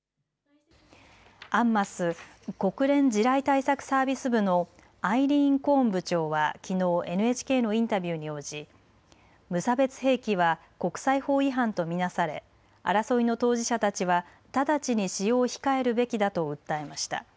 ＵＮＭＡＳ・国連地雷対策サービス部のアイリーン・コーン部長はきのうＮＨＫのインタビューに応じ無差別兵器は国際法違反と見なされ争いの当事者たちは直ちに使用を控えるべきだと訴えました。